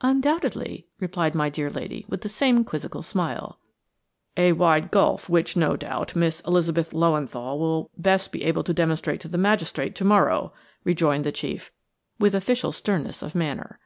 "Undoubtedly," replied my dear lady, with the same quizzical smile. "A wide gulf which, no doubt, Miss Elizabeth Löwenthal will best be able to demonstrate to the magistrate to morrow," rejoined the chief, with official sternness of manner.